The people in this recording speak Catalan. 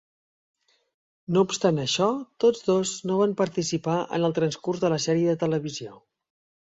No obstant això, tots dos no van participar en el transcurs de la sèrie de televisió.